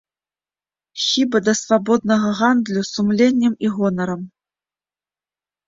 Хіба да свабоднага гандлю сумленнем і гонарам.